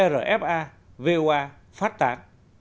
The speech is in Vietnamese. rfa voa phát táng